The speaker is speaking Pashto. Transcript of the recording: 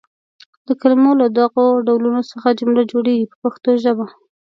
د کلمو له دغو ډولونو څخه جمله جوړیږي په پښتو ژبه.